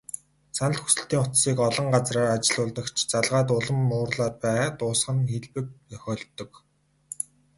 Санал хүсэлтийн утсыг олон газар ажиллуулдаг ч, залгаад улам уурлаад дуусах нь элбэг тохиолддог.